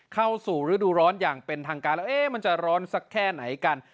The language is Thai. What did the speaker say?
เข้าสู่ฤดูร้อนอย่างเป็นทางการแล้วมันจะร้อนสักแค่ไหนกัน